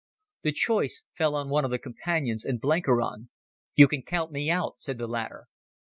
The choice fell on one of the Companions and Blenkiron. "You can count me out," said the latter.